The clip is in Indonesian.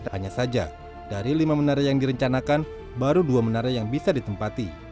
hanya saja dari lima menara yang direncanakan baru dua menara yang bisa ditempati